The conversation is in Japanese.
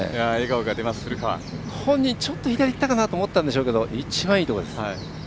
本人、ちょっと左いったかなと思ったんでしょうけど一番いいところです。